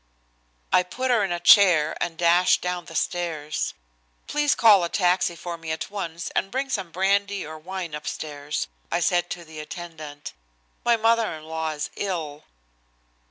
I put her in a chair and dashed down the stairs. "Please call a taxi for me at once, and bring some brandy or wine upstairs," I said to the attendant. "My mother in law is ill."